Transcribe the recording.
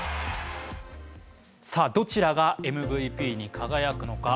どちらがＭＶＰに輝くのか。